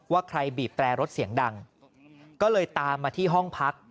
ว่าใครบีบแตรรถเสียงดังก็เลยตามมาที่ห้องพัก